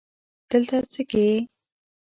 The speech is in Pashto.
دلته څه که یې